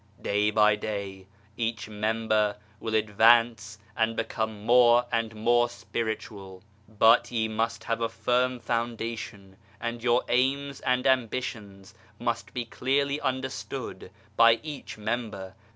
Day by day each member will advance and become more and more spiritual. But ye must have a firm foundation and your aims and ambitions must be clearly understood by each member.